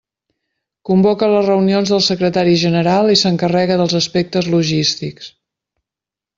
Convoca les reunions del secretari general i s'encarrega dels aspectes logístics.